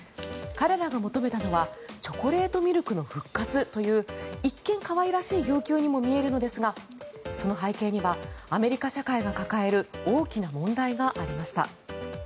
彼らが求めたのはチョコレートミルクの復活という一見、可愛らしい要求にも見えるんですがその背景にはアメリカ社会が抱える大きな問題がありました。